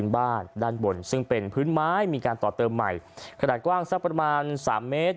บ้านด้านบนซึ่งเป็นพื้นไม้มีการต่อเติมใหม่ขนาดกว้างสักประมาณสามเมตร